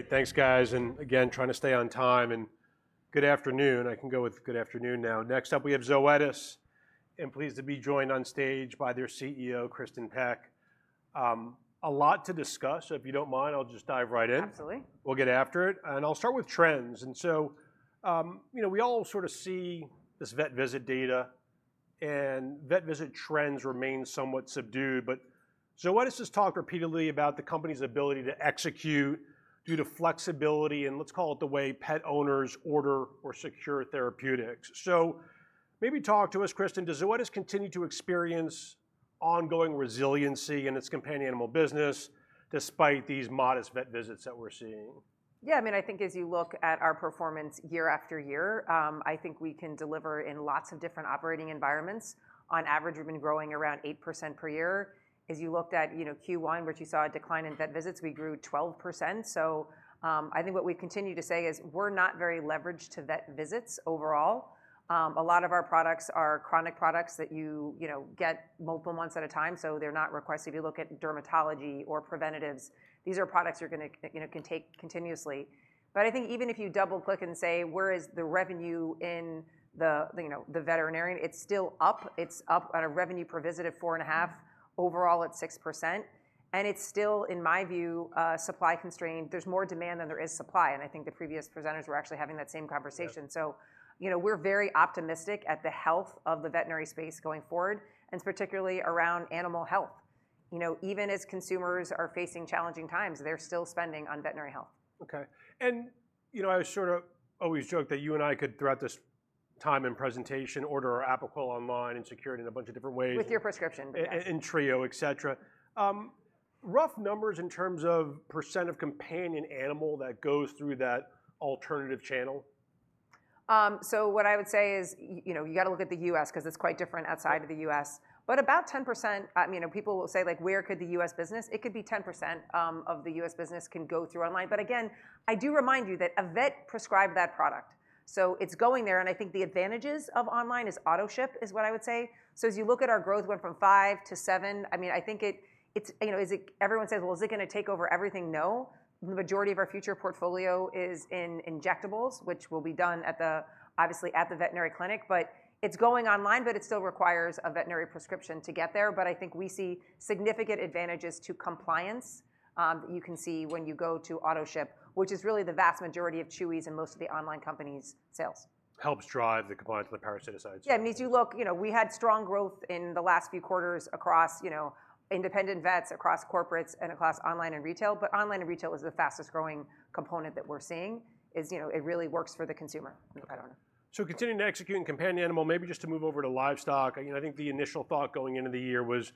Hey, thanks, guys, and again, trying to stay on time, and good afternoon. I can go with good afternoon now. Next up, we have Zoetis, and pleased to be joined on stage by their CEO, Kristin Peck. A lot to discuss, so if you don't mind, I'll just dive right in. Absolutely. We'll get after it, and I'll start with trends. And so, you know, we all sort of see this vet visit data, and vet visit trends remain somewhat subdued. But Zoetis has talked repeatedly about the company's ability to execute due to flexibility, and let's call it the way pet owners order or secure therapeutics. So maybe talk to us, Kristin, does Zoetis continue to experience ongoing resiliency in its companion animal business despite these modest vet visits that we're seeing? Yeah, I mean, I think as you look at our performance year after year, I think we can deliver in lots of different operating environments. On average, we've been growing around 8% per year. As you looked at, you know, Q1, which you saw a decline in vet visits, we grew 12%. So, I think what we continue to say is, we're not very leveraged to vet visits overall. A lot of our products are chronic products that you know get multiple months at a time, so they're not requested. If you look at dermatology or preventatives, these are products you're gonna, you know, can take continuously. But I think even if you double-click and say, where is the revenue in the, you know, the veterinarian? It's still up. It's up on a revenue per visit at $4.5, overall at 6%, and it's still, in my view, a supply constraint. There's more demand than there is supply, and I think the previous presenters were actually having that same conversation. Yeah. You know, we're very optimistic at the health of the veterinary space going forward, and particularly around animal health. You know, even as consumers are facing challenging times, they're still spending on veterinary health. Okay. You know, I sort of always joke that you and I could, throughout this time and presentation, order our Apoquel online and secure it in a bunch of different ways. With your prescription. And Trio, et cetera. Rough numbers in terms of % of companion animal that goes through that alternative channel. So what I would say is, you know, you gotta look at the U.S. 'cause it's quite different outside of the U.S., but about 10%... I mean, and people will say, like, "Where could the U.S. business?" It could be 10% of the U.S. business can go through online. But again, I do remind you that a vet prescribed that product, so it's going there, and I think the advantages of online is auto-ship, is what I would say. So as you look at our growth went from 5%-7%, I mean, I think it, it's... You know, is it everyone says, "Well, is it gonna take over everything?" No. The majority of our future portfolio is in injectables, which will be done at the, obviously at the veterinary clinic. But it's going online, but it still requires a veterinary prescription to get there. I think we see significant advantages to compliance. You can see when you go to auto-ship, which is really the vast majority of Chewy's and most of the online companies' sales. Helps drive the compliance with the parasiticides. Yeah, I mean, as you look, you know, we had strong growth in the last few quarters across, you know, independent vets, across corporates, and across online and retail. But online and retail is the fastest growing component that we're seeing, is, you know, it really works for the consumer. Yeah, I don't know. So continuing to execute in companion animal, maybe just to move over to livestock. You know, I think the initial thought going into the year was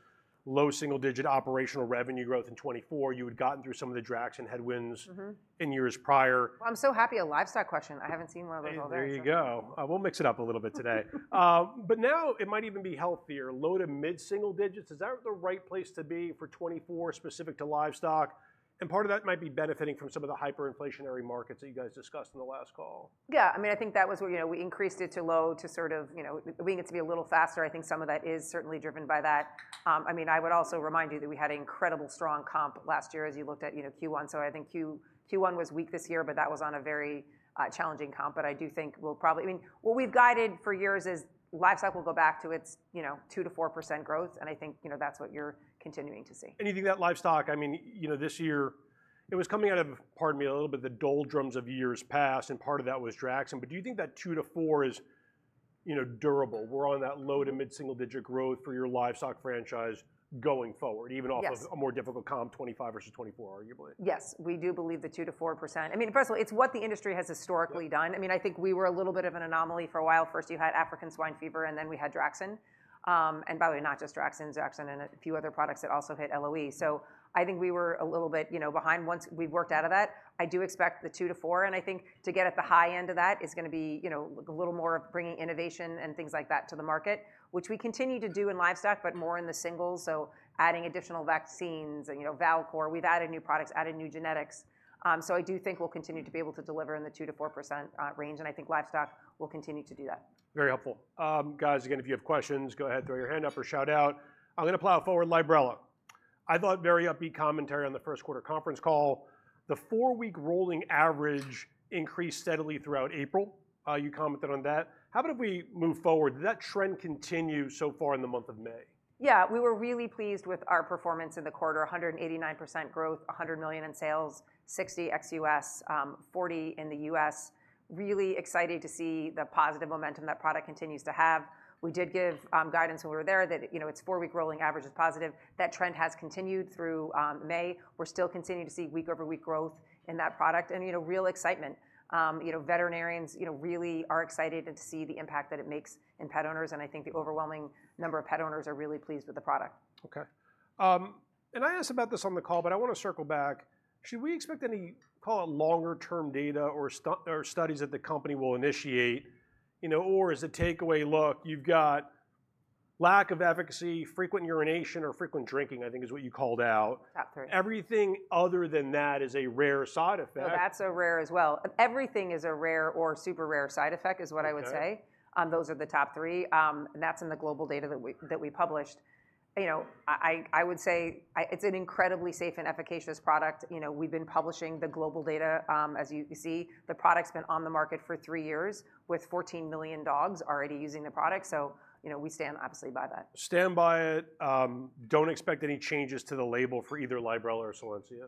low single-digit operational revenue growth in 2024. You had gotten through some of the Draxxin headwinds- Mm-hmm - in years prior. I'm so happy, a livestock question. I haven't seen one of those all day. There you go. We'll mix it up a little bit today. But now it might even be healthier. Low to mid single digits, is that the right place to be for 2024, specific to livestock? And part of that might be benefiting from some of the hyperinflationary markets that you guys discussed in the last call. Yeah, I mean, I think that was where, you know, we increased it to low, to sort of, you know, we need it to be a little faster. I think some of that is certainly driven by that. I mean, I would also remind you that we had an incredibly strong comp last year, as you looked at, you know, Q1. So I think Q1 was weak this year, but that was on a very challenging comp. But I do think we'll probably—I mean, what we've guided for years is livestock will go back to its, you know, 2%-4% growth, and I think, you know, that's what you're continuing to see. You think that livestock, I mean, you know, this year, it was coming out of, pardon me, a little bit, the doldrums of years past, and part of that was Draxxin. But do you think that 2%-4% is, you know, durable? We're on that low- to mid-single-digit growth for your livestock franchise going forward- Yes... even off of a more difficult comp, 2025 versus 2024, arguably? Yes, we do believe the 2%-4%. I mean, firstly, it's what the industry has historically done. Yeah. I mean, I think we were a little bit of an anomaly for a while. First, you had African Swine Fever, and then we had Draxxin. And by the way, not just Draxxin, Draxxin and a few other products that also hit LOE. So I think we were a little bit, you know, behind. Once we worked out of that, I do expect the 2%-4%, and I think to get at the high end of that is gonna be, you know, a little more of bringing innovation and things like that to the market, which we continue to do in livestock, but more in the singles, so adding additional vaccines and, you know, Valcor. We've added new products, added new genetics. So I do think we'll continue to be able to deliver in the 2%-4% range, and I think livestock will continue to do that. Very helpful. Guys, again, if you have questions, go ahead, throw your hand up or shout out. I'm gonna plow forward, Librela. I thought very upbeat commentary on the first quarter conference call. The four-week rolling average increased steadily throughout April. You commented on that. How about if we move forward, did that trend continue so far in the month of May? Yeah, we were really pleased with our performance in the quarter, 189% growth, $100 million in sales, $60 million ex-U.S., $40 million in the U.S. Really excited to see the positive momentum that product continues to have. We did give guidance when we were there, that, you know, its four-week rolling average is positive. That trend has continued through May. We're still continuing to see week-over-week growth in that product, and, you know, real excitement. You know, veterinarians, you know, really are excited to see the impact that it makes in pet owners, and I think the overwhelming number of pet owners are really pleased with the product. Okay. And I asked about this on the call, but I wanna circle back. Should we expect any, call it, longer-term data or studies that the company will initiate? You know, or is the takeaway, look, you've got lack of efficacy, frequent urination or frequent drinking, I think is what you called out. Top three. Everything other than that is a rare side effect. No, that's a rare as well. Everything is a rare or super rare side effect, is what I would say. Okay. Those are the top three. That's in the global data that we published. You know, I would say it's an incredibly safe and efficacious product. You know, we've been publishing the global data. As you can see, the product's been on the market for three years, with 14 million dogs already using the product. So, you know, we stand obviously by that. Stand by it. Don't expect any changes to the label for either Librela or Solensia?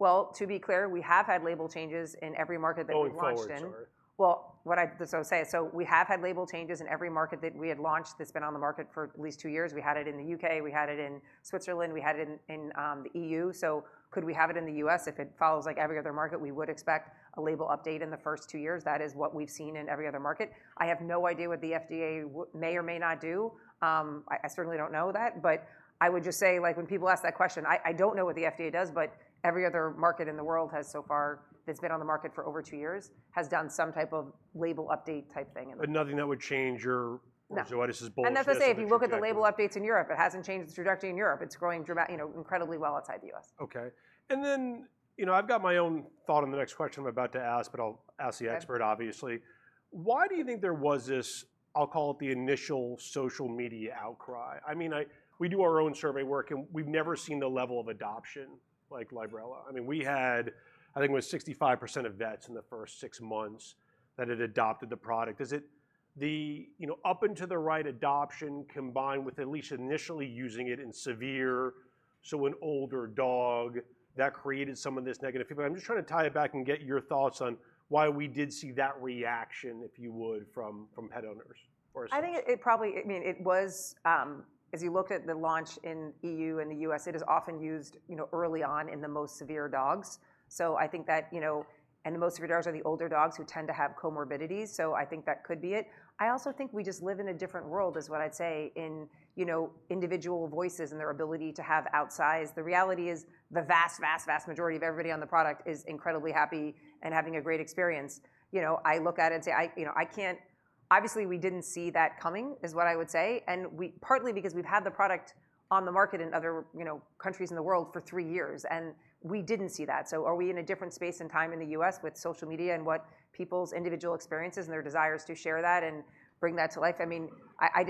Well, to be clear, we have had label changes in every market that we've launched in. Going forward, sorry. Well, that's what I would say. So we have had label changes in every market that we had launched, that's been on the market for at least two years. We had it in the U.K., we had it in Switzerland, we had it in the EU. So could we have it in the U.S.? If it follows like every other market, we would expect a label update in the first two years. That is what we've seen in every other market. I have no idea what the FDA may or may not do. I certainly don't know that, but I would just say, like, when people ask that question, I don't know what the FDA does, but every other market in the world has so far, that's been on the market for over two years, has done some type of label update type thing. But nothing that would change your- No. or Zoetis' bullishness That's to say, if you look at the label updates in Europe, it hasn't changed the trajectory in Europe. It's growing dramatically, you know, incredibly well outside the U.S. Okay. And then, you know, I've got my own thought on the next question I'm about to ask, but I'll ask the expert, obviously. Okay. Why do you think there was this, I'll call it the initial social media outcry? I mean, I... We do our own survey work, and we've never seen the level of adoption like Librela. I mean, we had, I think it was 65% of vets in the first six months that had adopted the product. Is it the, you know, up and to the right adoption, combined with at least initially using it in severe, so an older dog, that created some of this negative feedback? I'm just trying to tie it back and get your thoughts on why we did see that reaction, if you would, from, from pet owners or such. I think it probably. I mean, as you looked at the launch in EU and the U.S., it is often used, you know, early on in the most severe dogs. So I think that, you know, and the most severe dogs are the older dogs who tend to have comorbidities, so I think that could be it. I also think we just live in a different world, is what I'd say, in, you know, individual voices and their ability to have outsize. The reality is, the vast, vast, vast majority of everybody on the product is incredibly happy and having a great experience. You know, I look at it and say, you know, I can't. Obviously, we didn't see that coming, is what I would say, and partly because we've had the product on the market in other, you know, countries in the world for three years, and we didn't see that. So are we in a different space and time in the U.S. with social media and what people's individual experiences and their desires to share that and bring that to life? I mean, I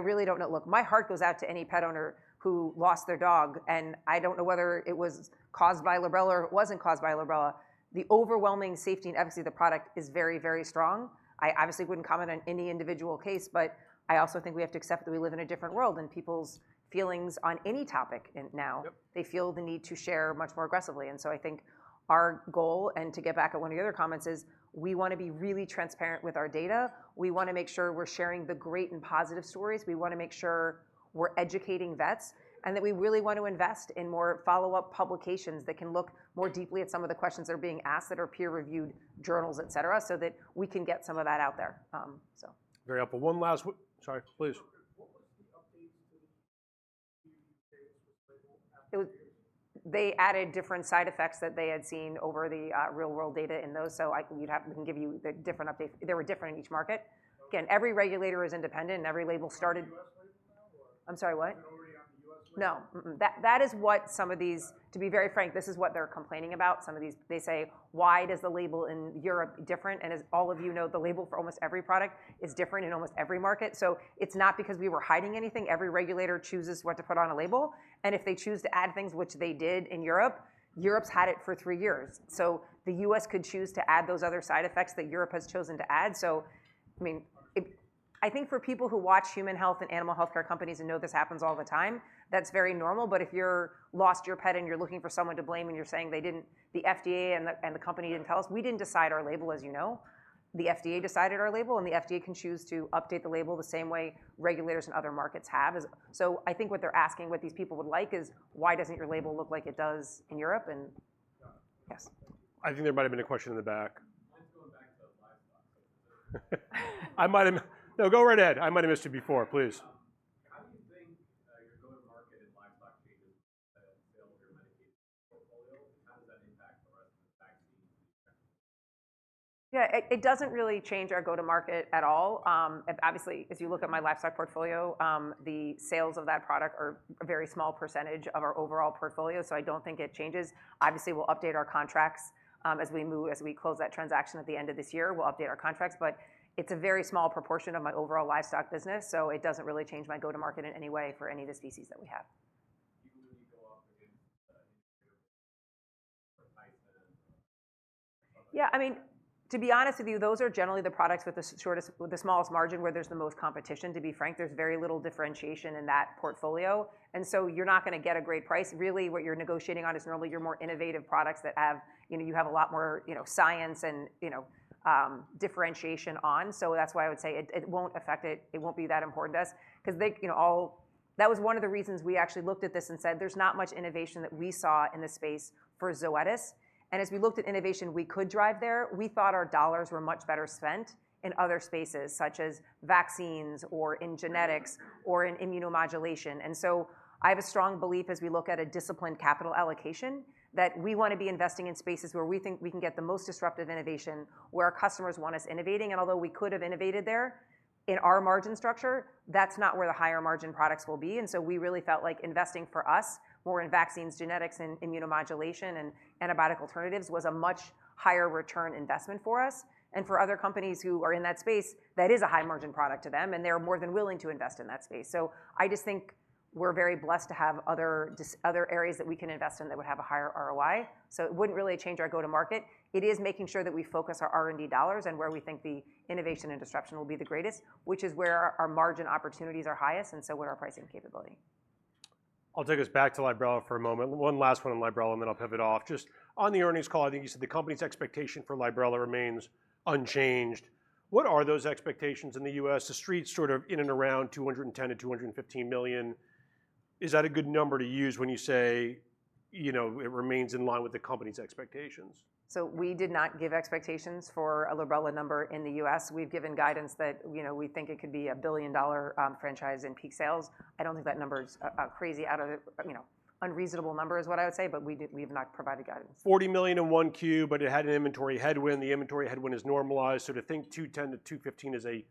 really don't know. Look, my heart goes out to any pet owner who lost their dog, and I don't know whether it was caused by Librela or it wasn't caused by Librela. The overwhelming safety and efficacy of the product is very, very strong. I obviously wouldn't comment on any individual case, but I also think we have to accept that we live in a different world, and people's feelings on any topic now- Yep... they feel the need to share much more aggressively. And so I think our goal, and to get back at one of the other comments, is we wanna be really transparent with our data. We wanna make sure we're sharing the great and positive stories, we wanna make sure we're educating vets, and that we really want to invest in more follow-up publications that can look more deeply at some of the questions that are being asked, that are peer-reviewed journals, et cetera, so that we can get some of that out there. So... Very helpful. One last. Sorry, please. What was the updates to label after? They added different side effects that they had seen over the real world data in those. So, we can give you the different update. They were different in each market. Okay. Again, every regulator is independent, and every label started- On the U.S. label now, or? I'm sorry, what? They're already on the U.S. label? No. Mm-mm. That is what some of these- Got it. To be very frank, this is what they're complaining about. Some of these, they say, "Why does the label in Europe different?" As all of you know, the label for almost every product is different in almost every market. It's not because we were hiding anything. Every regulator chooses what to put on a label, and if they choose to add things, which they did in Europe, Europe's had it for three years. The U.S. could choose to add those other side effects that Europe has chosen to add. I mean, it, I think for people who watch human health and animal healthcare companies and know this happens all the time, that's very normal. But if you've lost your pet and you're looking for someone to blame, and you're saying they didn't—the FDA and the company didn't tell us, we didn't decide our label, as you know. The FDA decided our label, and the FDA can choose to update the label the same way regulators in other markets have, as... So I think what they're asking, what these people would like is, "Why doesn't your label look like it does in Europe and- Yeah. Yes. I think there might have been a question in the back. Just going back to the livestock. No, go right ahead. I might have missed you before. Please. How do you think your go-to-market in livestock changes sale of your medication portfolio? How does that impact the rest of the vaccine? Yeah, it doesn't really change our go-to-market at all. Obviously, as you look at my livestock portfolio, the sales of that product are a very small percentage of our overall portfolio, so I don't think it changes. Obviously, we'll update our contracts, as we close that transaction at the end of this year, we'll update our contracts. But it's a very small proportion of my overall livestock business, so it doesn't really change my go-to-market in any way for any of the species that we have. You really go up against, Yeah, I mean, to be honest with you, those are generally the products with the shortest—with the smallest margin, where there's the most competition, to be frank. There's very little differentiation in that portfolio, and so you're not gonna get a great price. Really, what you're negotiating on is normally your more innovative products that have, you know, you have a lot more, you know, science and, you know, differentiation on. So that's why I would say it, it won't affect it. It won't be that important to us, 'cause they, you know, all. That was one of the reasons we actually looked at this and said, there's not much innovation that we saw in this space for Zoetis. As we looked at innovation we could drive there, we thought our dollars were much better spent in other spaces, such as vaccines or in genetics or in immunomodulation. I have a strong belief as we look at a disciplined capital allocation, that we wanna be investing in spaces where we think we can get the most disruptive innovation, where our customers want us innovating. Although we could have innovated there, in our margin structure, that's not where the higher margin products will be. We really felt like investing for us, more in vaccines, genetics, and immunomodulation, and antibiotic alternatives, was a much higher return investment for us. For other companies who are in that space, that is a high margin product to them, and they are more than willing to invest in that space. So I just think we're very blessed to have other areas that we can invest in that would have a higher ROI. So it wouldn't really change our go-to-market. It is making sure that we focus our R&D dollars and where we think the innovation and disruption will be the greatest, which is where our margin opportunities are highest, and so with our pricing capability. I'll take us back to Librela for a moment. One last one on Librela, and then I'll pivot off. Just on the earnings call, I think you said the company's expectation for Librela remains unchanged. What are those expectations in the U.S.? The street's sort of in and around $210 million-$215 million. Is that a good number to use when you say, you know, it remains in line with the company's expectations? We did not give expectations for a Librela number in the U.S. We've given guidance that, you know, we think it could be a billion-dollar franchise in peak sales. I don't think that number is a crazy out of, you know, unreasonable number is what I would say, but we have not provided guidance. $40 million in 1Q, but it had an inventory headwind. The inventory headwind is normalized, so to think $210 million-$215 million is a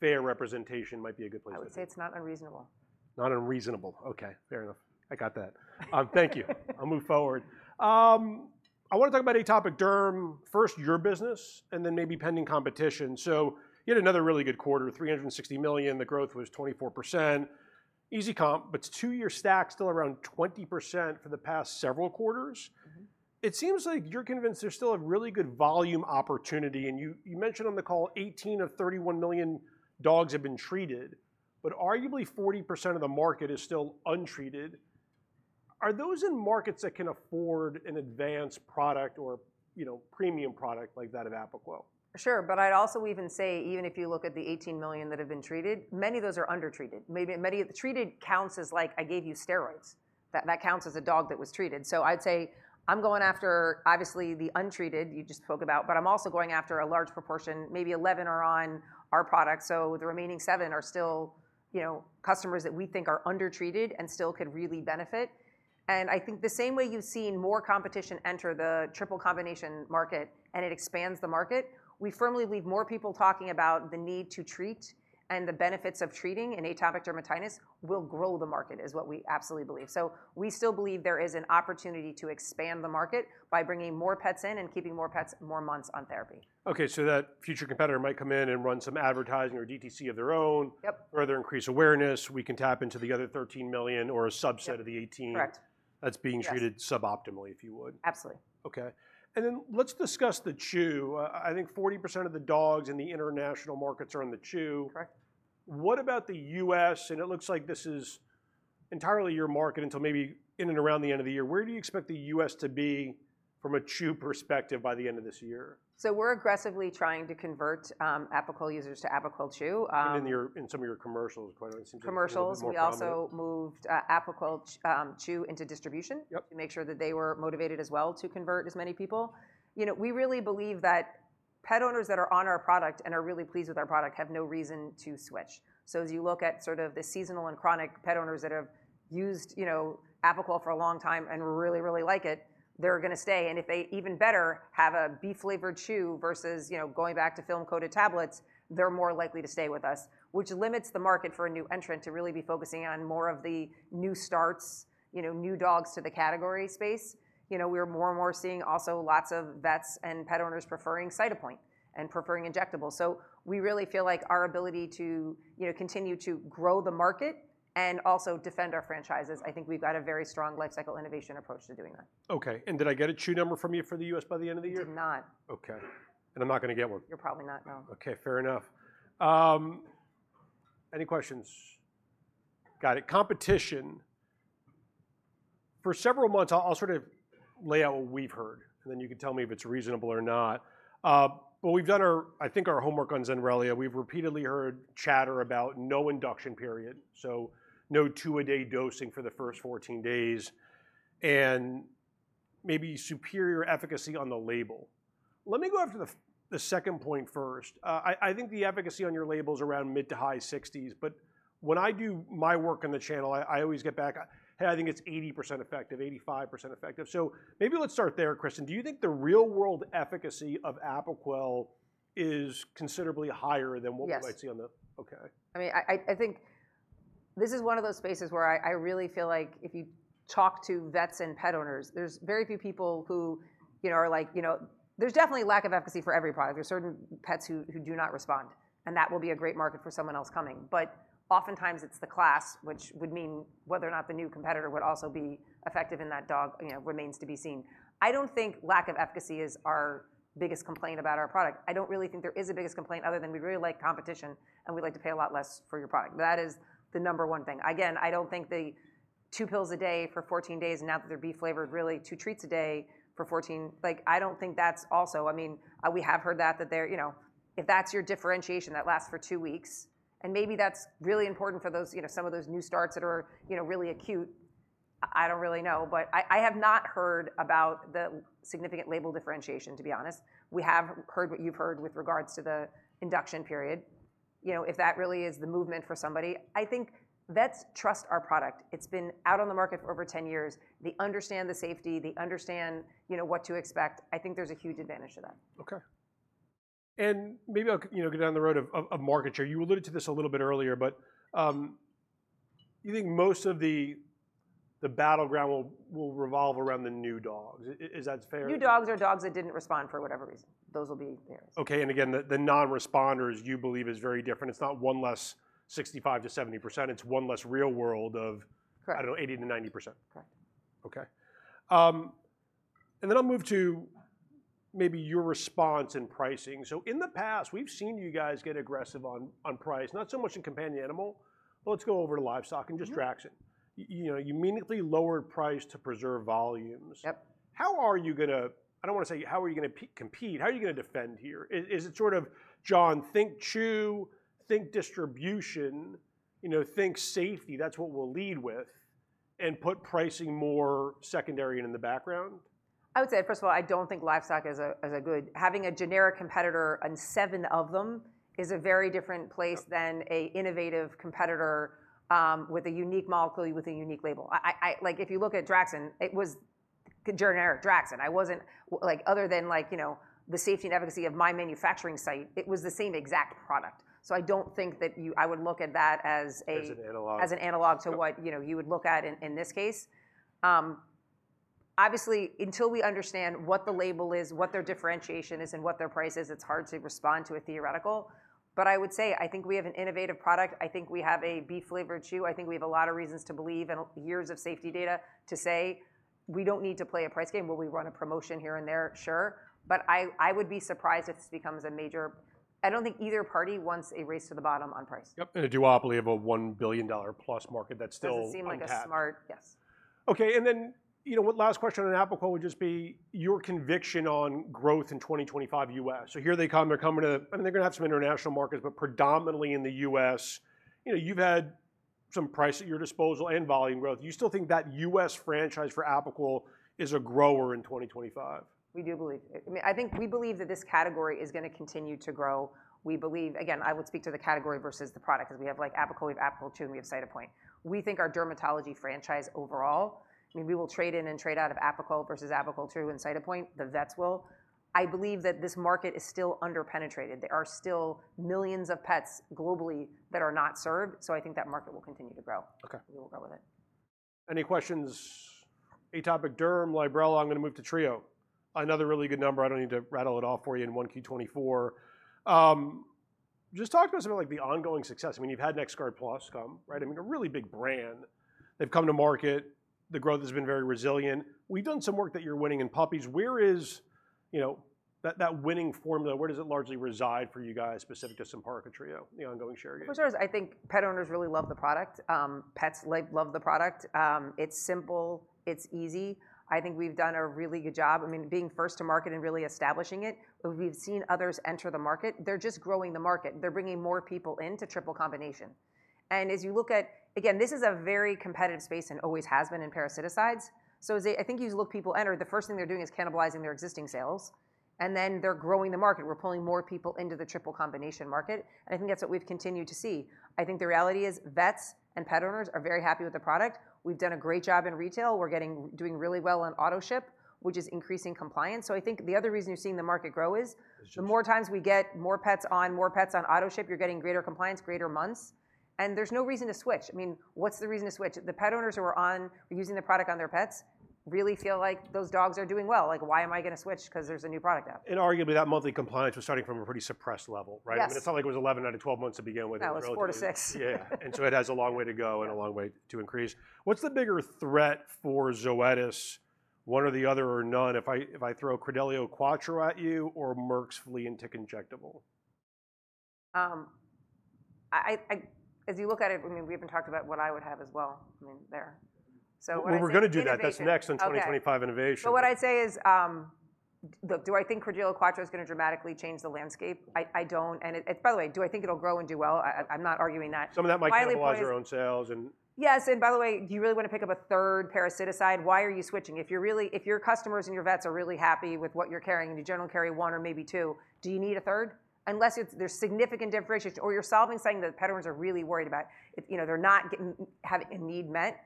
fair representation might be a good place to be. I would say it's not unreasonable. Not unreasonable. Okay, fair enough. I got that. Thank you. I'll move forward. I wanna talk about atopic derm. First, your business, and then maybe pending competition. So you had another really good quarter, $360 million. The growth was 24%. Easy comp, but two-year stack still around 20% for the past several quarters. Mm-hmm. It seems like you're convinced there's still a really good volume opportunity, and you mentioned on the call, 18 of 31 million dogs have been treated, but arguably 40% of the market is still untreated. Are those in markets that can afford an advanced product or, you know, premium product like that of Apoquel? Sure, but I'd also even say, even if you look at the 18 million that have been treated, many of those are undertreated. Maybe many of the treated counts as, like, I gave you steroids. That, that counts as a dog that was treated. So I'd say I'm going after obviously the untreated you just spoke about, but I'm also going after a large proportion. Maybe 11 are on our product, so the remaining seven are still, you know, customers that we think are undertreated and still could really benefit. And I think the same way you've seen more competition enter the triple combination market, and it expands the market, we firmly believe more people talking about the need to treat and the benefits of treating an atopic dermatitis will grow the market, is what we absolutely believe. We still believe there is an opportunity to expand the market by bringing more pets in and keeping more pets more months on therapy. Okay, so that future competitor might come in and run some advertising or DTC of their own- Yep... further increase awareness. We can tap into the other 13 million or a subset- Yep... of the 18- Correct... that's being treated- Yes... suboptimally, if you would. Absolutely. Okay, and then let's discuss the chew. I think 40% of the dogs in the international markets are on the chew. Correct. What about the U.S.? It looks like this is entirely your market until maybe in and around the end of the year. Where do you expect the U.S. to be from a chew perspective by the end of this year? So we're aggressively trying to convert Apoquel users to Apoquel Chew. In some of your commercials, quite honestly, it seems a little more prominent. Commercials. We also moved Apoquel chew into distribution- Yep... to make sure that they were motivated as well to convert as many people. You know, we really believe that pet owners that are on our product and are really pleased with our product have no reason to switch. So as you look at sort of the seasonal and chronic pet owners that have used, you know, Apoquel for a long time and really, really like it, they're gonna stay. And if they even better have a beef-flavored chew versus, you know, going back to film-coated tablets, they're more likely to stay with us, which limits the market for a new entrant to really be focusing on more of the new starts, you know, new dogs to the category space. You know, we're more and more seeing also lots of vets and pet owners preferring Cytopoint and preferring injectable. So we really feel like our ability to, you know, continue to grow the market and also defend our franchises. I think we've got a very strong lifecycle innovation approach to doing that. Okay, and did I get a chew number from you for the U.S. by the end of the year? Did not. Okay. And I'm not gonna get one? You're probably not, no. Okay, fair enough. Any questions? Got it. Competition. For several months, I'll sort of lay out what we've heard, and then you can tell me if it's reasonable or not. But we've done our, I think, our homework on Zenrelia. We've repeatedly heard chatter about no induction period, so no two-a-day dosing for the first 14 days, and maybe superior efficacy on the label. Let me go after the second point first. I think the efficacy on your label is around mid- to high 60s, but when I do my work on the channel, I always get back, "Hey, I think it's 80% effective, 85% effective." So maybe let's start there, Kristin. Do you think the real-world efficacy of Apoquel is considerably higher than what- Yes... we might see on the... Okay. I mean, this is one of those spaces where I really feel like if you talk to vets and pet owners, there's very few people who, you know, are like, you know. There's definitely lack of efficacy for every product. There's certain pets who do not respond, and that will be a great market for someone else coming. But oftentimes, it's the class, which would mean whether or not the new competitor would also be effective in that dog, you know, remains to be seen. I don't think lack of efficacy is our biggest complaint about our product. I don't really think there is a biggest complaint other than we really like competition, and we'd like to pay a lot less for your product. That is the number one thing. Again, I don't think the two pills a day for 14 days, and now that they're beef flavored, really two treats a day for 14... Like, I don't think that's also, I mean, we have heard that they're, you know, if that's your differentiation, that lasts for two weeks, and maybe that's really important for those, you know, some of those new starts that are, you know, really acute. I don't really know, but I have not heard about the significant label differentiation, to be honest. We have heard what you've heard with regards to the induction period. You know, if that really is the movement for somebody. I think vets trust our product. It's been out on the market for over 10 years. They understand the safety, they understand, you know, what to expect. I think there's a huge advantage to that. Okay. Maybe I'll, you know, go down the road of market share. You alluded to this a little bit earlier, but you think most of the battleground will revolve around the new dogs. Is that fair? New dogs or dogs that didn't respond for whatever reason, those will be theirs. Okay, and again, the non-responders, you believe is very different. It's not one less 65%-70%, it's one less real world of- Correct... I don't know, 80%-90%. Correct. Okay. Then I'll move to maybe your response in pricing. In the past, we've seen you guys get aggressive on, on price, not so much in companion animal, but let's go over to livestock and just traction. Mm-hmm. You know, you immediately lowered price to preserve volumes. Yep. How are you gonna compete? I don't wanna say, how are you gonna defend here? Is it sort of, Jon, think chew, think distribution, you know, think safety, that's what we'll lead with, and put pricing more secondary and in the background? I would say, first of all, I don't think livestock is a good- Having a generic competitor and seven of them is a very different place than a innovative competitor with a unique molecule, with a unique label. Like, if you look at Draxxin, it was generic Draxxin. Like, other than, like, you know, the safety and efficacy of my manufacturing site, it was the same exact product. So I don't think that you- I would look at that as a- As an analog.... as an analog to what, you know, you would look at in this case. Obviously, until we understand what the label is, what their differentiation is, and what their price is, it's hard to respond to a theoretical. But I would say, I think we have an innovative product. I think we have a beef-flavored chew. I think we have a lot of reasons to believe and years of safety data to say, we don't need to play a price game. Will we run a promotion here and there? Sure. But I would be surprised if this becomes a major... I don't think either party wants a race to the bottom on price. Yep, and a duopoly of a $1 billion+ market that's still- Doesn't seem like a smart- uncapped. Yes. Okay, and then, you know, one last question on Apoquel would just be, your conviction on growth in 2025 U.S. So here they come, they're coming to-- I mean, they're gonna have some international markets, but predominantly in the U.S. You know, you've had some price at your disposal and volume growth. Do you still think that U.S. franchise for Apoquel is a grower in 2025? We do believe. I mean, I think we believe that this category is gonna continue to grow. We believe... Again, I would speak to the category versus the product, because we have, like, Apoquel, we have Apoquel Chewable, and we have Cytopoint. We think our dermatology franchise overall, I mean, we will trade in and trade out of Apoquel versus Apoquel Chewable and Cytopoint, the vets will. I believe that this market is still underpenetrated. There are still millions of pets globally that are not served, so I think that market will continue to grow. Okay. We will grow with it. Any questions? atopic derm, librela, I'm gonna move to Trio. Another really good number, I don't need to rattle it off for you in 1Q 2024. Just talk to us about, like, the ongoing success. I mean, you've had NexGard Plus come, right? I mean, a really big brand. They've come to market. The growth has been very resilient. We've done some work that you're winning in puppies. Where is, you know, that winning formula, where does it largely reside for you guys, specific to Simparica Trio, the ongoing share game? First of all, I think pet owners really love the product. Pets, like, love the product. It's simple, it's easy. I think we've done a really good job. I mean, being first to market and really establishing it, but we've seen others enter the market. They're just growing the market. They're bringing more people in to triple combination. And as you look at... Again, this is a very competitive space and always has been in parasiticides. So as they-- I think as you look at people enter, the first thing they're doing is cannibalizing their existing sales, and then they're growing the market. We're pulling more people into the triple combination market, and I think that's what we've continued to see. I think the reality is vets and pet owners are very happy with the product. We've done a great job in retail. We're doing really well on autoship, which is increasing compliance. So I think the other reason you're seeing the market grow is- It's true... the more times we get more pets on, more pets on autoship, you're getting greater compliance, greater months, and there's no reason to switch. I mean, what's the reason to switch? The pet owners who are on, using the product on their pets, really feel like those dogs are doing well. Like, why am I gonna switch because there's a new product out? Arguably, that monthly compliance was starting from a pretty suppressed level, right? Yes. I mean, it's not like it was 11 out of 12 months to begin with, relatively. That was four to six. Yeah, and so it has a long way to go- Yeah... and a long way to increase. What's the bigger threat for Zoetis, one or the other or none, if I, if I throw Credelio Quattro at you or Merck's flea and tick injectable? As you look at it, I mean, we haven't talked about what I would have as well, I mean, there. So- Well, we're gonna do that. Innovation. That's next on 2025 innovation. Okay. So what I'd say is, do I think Credelio Quattro is gonna dramatically change the landscape? I, I don't, and it, it... By the way, do I think it'll grow and do well? I, I, I'm not arguing that. Some of that might cannibalize- While it was-... our own sales, and- Yes, and by the way, do you really want to pick up a third parasiticide? Why are you switching? If you're really—if your customers and your vets are really happy with what you're carrying, and you generally carry one or maybe two, do you need a third? Unless it's, there's significant differentiation or you're solving something that pet owners are really worried about, it, you know, they're not getting, having a need met....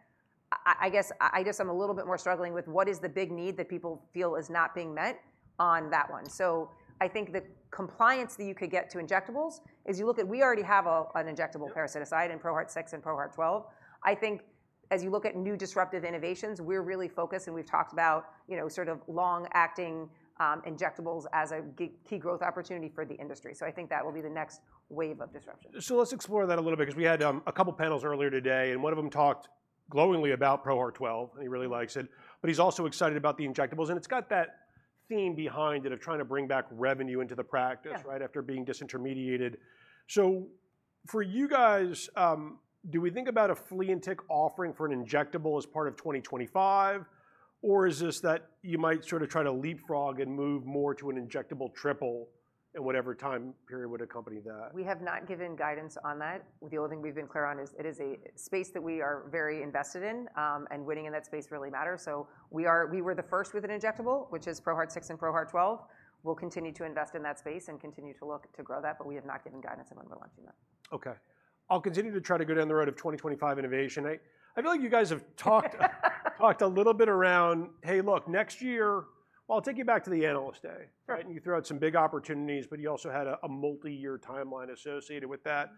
I, I guess, I guess I'm a little bit more struggling with what is the big need that people feel is not being met on that one? So I think the compliance that you could get to injectables, is you look at—we already have a, an injectable- Yeah parasiticide in ProHeart 6 and ProHeart 12. I think as you look at new disruptive innovations, we're really focused, and we've talked about, you know, sort of long-acting injectables as a key growth opportunity for the industry. So I think that will be the next wave of disruption. So let's explore that a little bit, 'cause we had a couple panels earlier today, and one of them talked glowingly about ProHeart 12, and he really likes it. But he's also excited about the injectables, and it's got that theme behind it of trying to bring back revenue into the practice- Yeah... right after being disintermediated. So for you guys, do we think about a flea and tick offering for an injectable as part of 2025? Or is this that you might sort of try to leapfrog and move more to an injectable triple in whatever time period would accompany that? We have not given guidance on that. The only thing we've been clear on is, it is a space that we are very invested in, and winning in that space really matters. So we were the first with an injectable, which is ProHeart 6 and ProHeart 12. We'll continue to invest in that space and continue to look to grow that, but we have not given guidance on when we're launching that. Okay. I'll continue to try to go down the road of 2025 innovation. I feel like you guys have talked a little bit around, hey, look, next year. Well, I'll take you back to the Analyst Day. Right. You threw out some big opportunities, but you also had a multi-year timeline associated with that.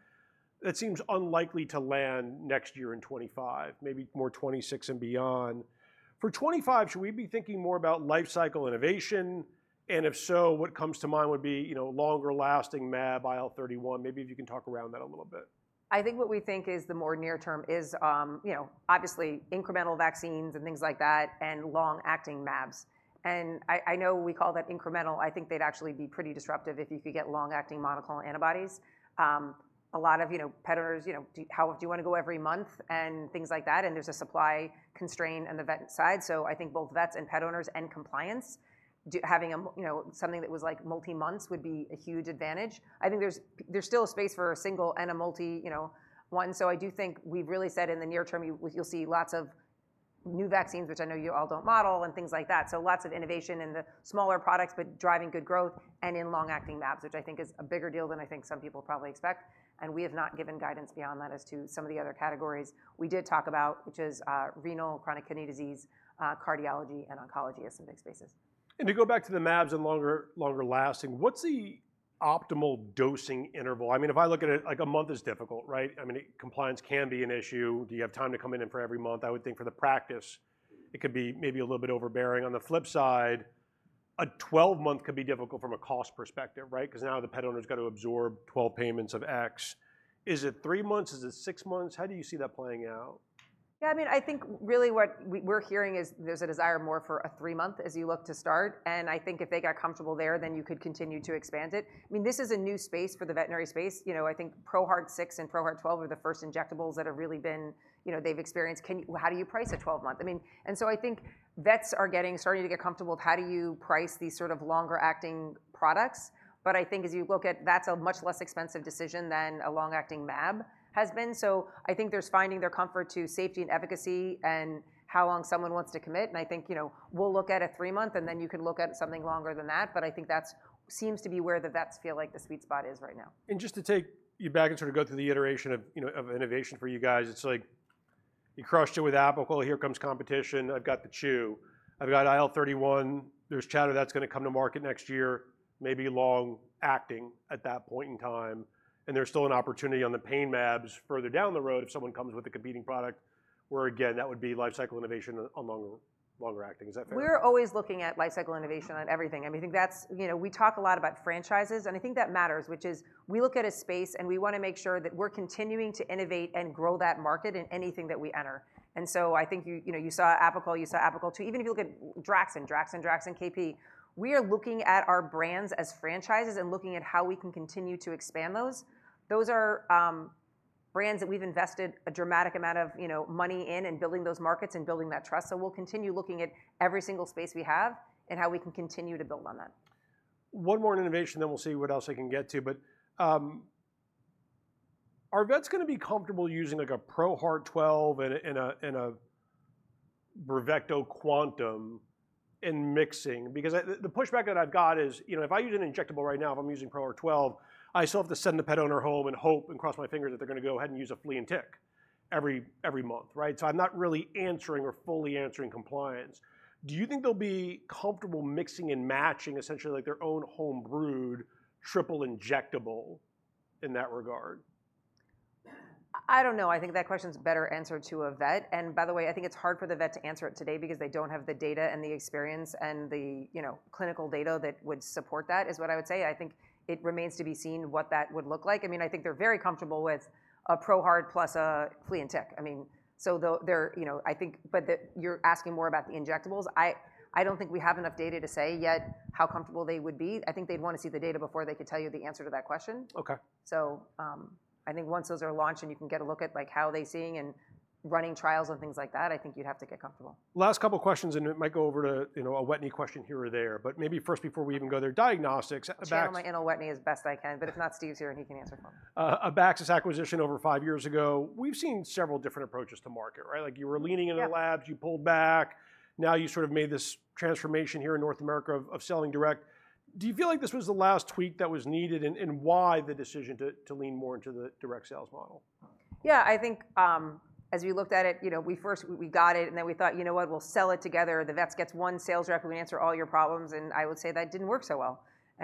That seems unlikely to land next year in 2025, maybe more 2026 and beyond. For 2025, should we be thinking more about life cycle innovation? If so, what comes to mind would be, you know, longer lasting mAb, IL-31. Maybe if you can talk around that a little bit. I think what we think is the more near term is, you know, obviously incremental vaccines and things like that, and long-acting mAbs. I know we call that incremental. I think they'd actually be pretty disruptive if you could get long-acting monoclonal antibodies. A lot of, you know, pet owners, you know, do you wanna go every month and things like that, and there's a supply constraint on the vet side. So I think both vets and pet owners and compliance, having a you know, something that was like multi-months would be a huge advantage. I think there's still a space for a single and a multi, you know, one. So I do think we've really said in the near term, you'll see lots of new vaccines, which I know you all don't model, and things like that. So lots of innovation in the smaller products, but driving good growth and in long-acting mAbs, which I think is a bigger deal than I think some people probably expect. And we have not given guidance beyond that as to some of the other categories we did talk about, which is, renal, chronic kidney disease, cardiology, and oncology as some big spaces. To go back to the mAbs and longer, longer lasting, what's the optimal dosing interval? I mean, if I look at it, like a month is difficult, right? I mean, compliance can be an issue. Do you have time to come in and for every month? I would think for the practice, it could be maybe a little bit overbearing. On the flip side, a 12-month could be difficult from a cost perspective, right? Because now the pet owner's got to absorb 12 payments of X. Is it three-months? Is it six-months? How do you see that playing out? Yeah, I mean, I think really what we're hearing is there's a desire more for a three-month as you look to start, and I think if they got comfortable there, then you could continue to expand it. I mean, this is a new space for the veterinary space. You know, I think ProHeart 6 and ProHeart 12 are the first injectables that have really been... You know, they've experienced, how do you price a 12-month? I mean, and so I think vets are starting to get comfortable with how do you price these sort of longer-acting products. But I think as you look at, that's a much less expensive decision than a long-acting mAb has been. So I think there's finding their comfort to safety and efficacy and how long someone wants to commit, and I think, you know, we'll look at a three-month, and then you can look at something longer than that. But I think that's seems to be where the vets feel like the sweet spot is right now. Just to take you back and sort of go through the iteration of, you know, of innovation for you guys, it's like you crushed it with Apoquel, here comes competition. I've got the chew. I've got IL-31. There's chatter that's gonna come to market next year, maybe long-acting at that point in time, and there's still an opportunity on the pain mAbs further down the road if someone comes with a competing product, where again, that would be life cycle innovation on longer, longer-acting. Is that fair? We're always looking at life cycle innovation on everything. I mean, I think that's—you know, we talk a lot about franchises, and I think that matters, which is we look at a space, and we wanna make sure that we're continuing to innovate and grow that market in anything that we enter. And so I think you, you know, you saw Apoquel, you saw Apoquel Chew. Even if you look at Draxxin, Draxxin, Draxxin KP, we are looking at our brands as franchises and looking at how we can continue to expand those. Those are brands that we've invested a dramatic amount of, you know, money in, in building those markets and building that trust. So we'll continue looking at every single space we have and how we can continue to build on that. One more on innovation, then we'll see what else I can get to. But, are vets gonna be comfortable using, like, a ProHeart 12 and a Bravecto Quantum and mixing? Because the pushback that I've got is, you know, if I use an injectable right now, if I'm using ProHeart 12, I still have to send the pet owner home and hope and cross my fingers that they're gonna go ahead and use a flea and tick every month, right? So I'm not really answering or fully answering compliance. Do you think they'll be comfortable mixing and matching, essentially, like, their own home-brewed triple injectable in that regard? I don't know. I think that question's better answered by a vet. And by the way, I think it's hard for the vet to answer it today because they don't have the data and the experience and the, you know, clinical data that would support that, is what I would say. I think it remains to be seen what that would look like. I mean, I think they're very comfortable with a ProHeart Plus a flea and tick. I mean, so though, there, you know, I think, but the, you're asking more about the injectables. I don't think we have enough data to say yet how comfortable they would be. I think they'd wanna see the data before they could tell you the answer to that question. Okay. So, I think once those are launched and you can get a look at, like, how are they seeing and running trials and things like that, I think you'd have to get comfortable. Last couple questions, and it might go over to, you know, a Wetteny question here or there, but maybe first before we even go there, diagnostics. Channel my inner Wetteny as best I can, but if not, Steve's here, and he can answer them. Abaxis acquisition over 5 years ago. We've seen several different approaches to market, right? Like, you were leaning into labs- Yeah... you pulled back. Now, you sort of made this transformation here in North America of, of selling direct. Do you feel like this was the last tweak that was needed, and, and why the decision to, to lean more into the direct sales model?... Yeah, I think, as we looked at it, you know, we first got it, and then we thought, "You know what? We'll sell it together. The vets gets one sales rep who can answer all your problems," and I would say that didn't work so well.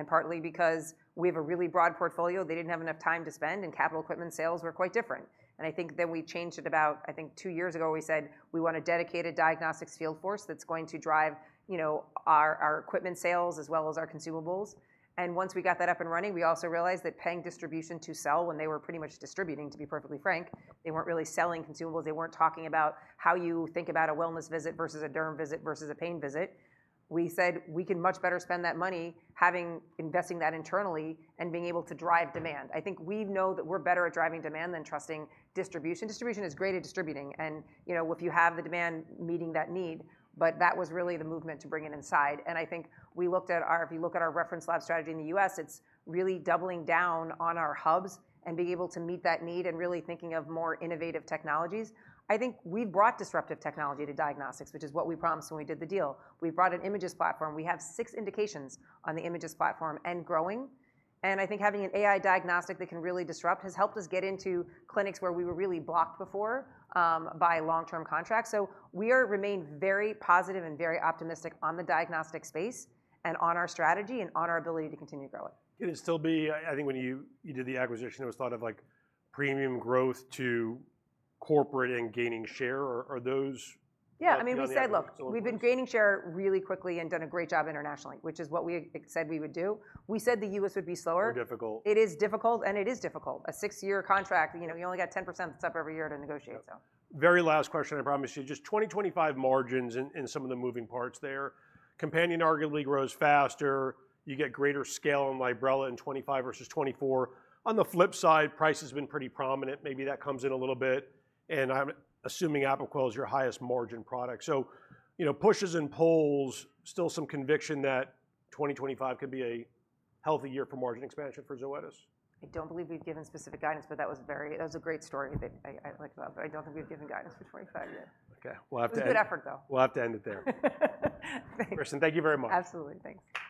Partly because we have a really broad portfolio, they didn't have enough time to spend, and capital equipment sales were quite different. I think then we changed it about, I think two years ago, we said, "We want a dedicated diagnostics field force that's going to drive, you know, our equipment sales as well as our consumables." Once we got that up and running, we also realized that paying distribution to sell when they were pretty much distributing, to be perfectly frank, they weren't really selling consumables. They weren't talking about how you think about a wellness visit versus a derm visit versus a pain visit. We said, "We can much better spend that money investing that internally and being able to drive demand." I think we know that we're better at driving demand than trusting distribution. Distribution is great at distributing, and, you know, if you have the demand, meeting that need, but that was really the movement to bring it inside. And I think we looked at our... If you look at our reference lab strategy in the U.S., it's really doubling down on our hubs and being able to meet that need, and really thinking of more innovative technologies. I think we brought disruptive technology to diagnostics, which is what we promised when we did the deal. We brought an Imagyst platform. We have six indications on the Imagyst platform and growing. I think having an AI diagnostic that can really disrupt has helped us get into clinics where we were really blocked before, by long-term contracts. We are remained very positive and very optimistic on the diagnostic space and on our strategy and on our ability to continue growing. Can it still be? I think when you did the acquisition, it was thought of, like, premium growth to corporate and gaining share. Are those- Yeah, I mean, we said, look-... on the table for Zoetis? We've been gaining share really quickly and done a great job internationally, which is what we said we would do. We said the U.S. would be slower. More difficult. It is difficult, and it is difficult. A six-year contract, you know, you only got 10% that's up every year to negotiate, so. Very last question, I promise you. Just 2025 margins in some of the moving parts there. Companion arguably grows faster; you get greater scale on Librela in 2025 versus 2024. On the flip side, price has been pretty prominent. Maybe that comes in a little bit, and I'm assuming Apoquel is your highest margin product. So, you know, pushes and pulls; still some conviction that 2025 could be a healthy year for margin expansion for Zoetis? I don't believe we've given specific guidance, but that was a great story that I like that, but I don't think we've given guidance for 2025 yet. Okay, we'll have to- It was a good effort, though. We'll have to end it there. Thanks. Kristin, thank you very much. Absolutely. Thanks.